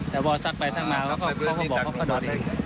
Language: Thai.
แต่พอศักดิ์ไปสร้างมาเขาก็บอกเขาก็เดินไป